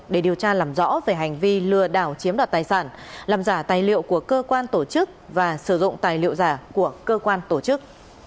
để điều tra làm rõ về hành vi lừa đảo chiếm đoạt tài sản làm giả tài liệu của cơ quan tổ chức và sử dụng tài liệu giả của cơ quan tổ chức